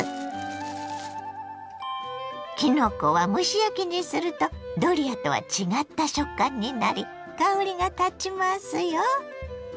きのこは蒸し焼きにするとドリアとは違った食感になり香りがたちますよ。